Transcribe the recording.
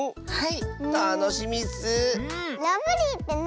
はい！